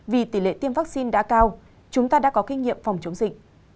vì tỷ lệ tiêm vaccine đã cao chúng ta đã có kinh nghiệm phòng chống dịch